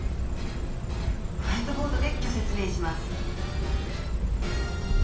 ホワイトボードでギョ説明します！